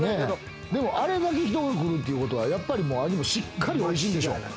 でも、あれだけ人が来るっていうことは、しっかり、おいしいんでしょう！